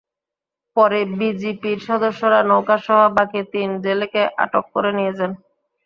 পরে বিজিপির সদস্যরা নৌকাসহ বাকি তিন জেলেকে আটক করে নিয়ে যান।